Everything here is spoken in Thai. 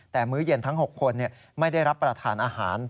แต่มื้อเย็นทั้ง๖คนไม่ได้รับประทานอาหาร